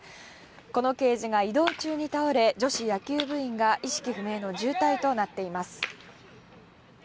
このケージが移動中に倒れ女子野球部員が意識不明の重体となっています。